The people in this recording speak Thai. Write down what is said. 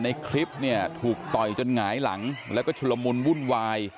ในคลิปเนี่ยถูกต่อยจนหงายหลังแล้วก็ชุลมุนวุ่นวาย